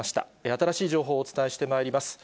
新しい情報をお伝えしてまいります。